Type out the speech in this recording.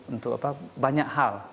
untuk banyak hal